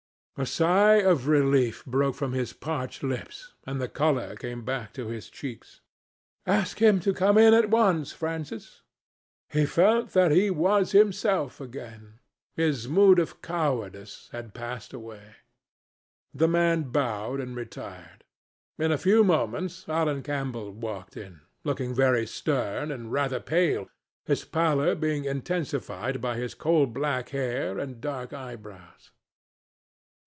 A sigh of relief broke from his parched lips, and the colour came back to his cheeks. "Ask him to come in at once, Francis." He felt that he was himself again. His mood of cowardice had passed away. The man bowed and retired. In a few moments, Alan Campbell walked in, looking very stern and rather pale, his pallor being intensified by his coal black hair and dark eyebrows.